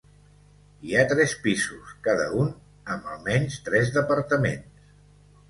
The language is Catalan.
Hi ha tres pisos, cada un amb almenys tres departaments.